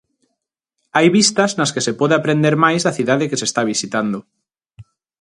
Hai vistas nas que se pode aprender máis da cidade que se está visitando.